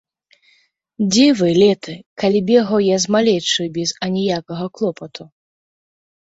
Дзе вы, леты, калі бегаў я з малечаю без аніякага клопату?